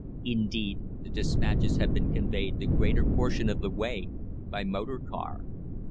Indeed, the despatches had been conveyed the greater portion of the way by motor car.